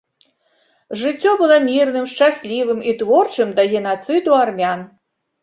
Жыццё было мірным, шчаслівым і творчым да генацыду армян.